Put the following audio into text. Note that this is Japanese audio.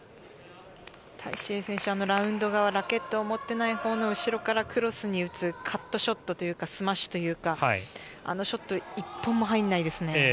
タイ・シエイ選手、ラウンド側ラケットを持ってない方のうしろからクロスに打つカットショット、スマッシュというかあのショット、１本も入んないですね。